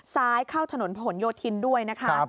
ซ้ายเข้าถนนผลโยธินด้วยนะครับ